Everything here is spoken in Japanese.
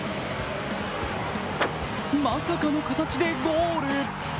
まさかの形でゴール。